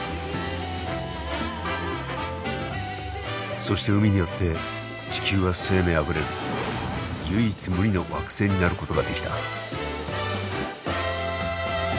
そして海によって地球は生命あふれる唯一無二の惑星になることができた。